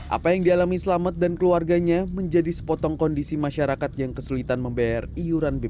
apa yang dialami selamet dan keluarganya menjadi sepotong kondisi masyarakat yang kesulitan membayar iuran bpj